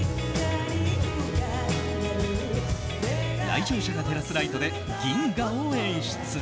来場者が照らすライトで銀河を演出。